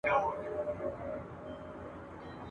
یو مي ژبي ته حیران دی بل مي زړه په غشیو ولي ..